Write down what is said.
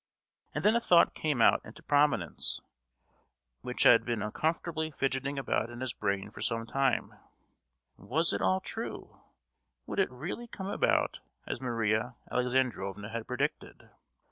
And then a thought came out into prominence, which had been uncomfortably fidgeting about in his brain for some time: "Was it all true? Would it really come about as Maria Alexandrovna had predicted?"